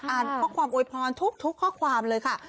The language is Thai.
ข้อความโวยพรทุกข้อความเลยค่ะ